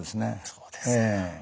そうですか。